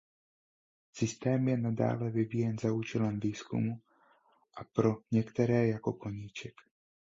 Systém je nadále vyvíjen za účelem výzkumu a pro některé jako koníček.